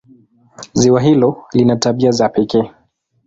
Ziwa hilo lina tabia za pekee.